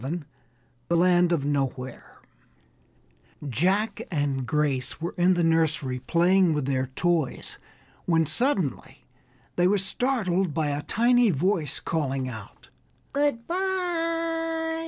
_ THE LAND OF NOWHERE Jack and Grace were in the nursery playing with their toys, when suddenly they were startled by a tiny voice calling out "Good by!"